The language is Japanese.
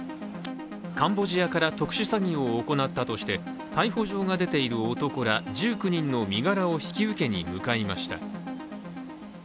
カンボジアから特殊詐欺を行ったとして逮捕状が出ている男ら１９人の身柄を引き受けに向かいました。